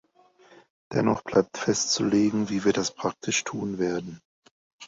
Dennoch bleibt festzulegen, wie wir das praktisch tun werden.